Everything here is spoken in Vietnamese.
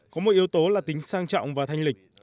có một yếu tố là tính sang trọng và thanh lịch